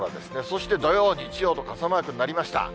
そして土曜、日曜と傘マークになりました。